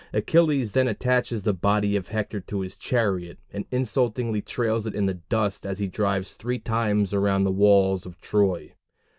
Achilles then attaches the body of Hector to his chariot and insultingly trails it in the dust as he drives three times around the walls of Troy.